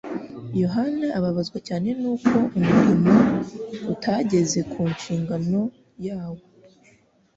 Yohana ababazwa cyane nuko umurimo utageze ku nshingano yawo.